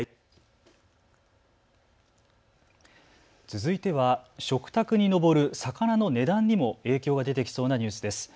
続いては食卓に上る魚の値段にも影響が出てきそうなニュースです。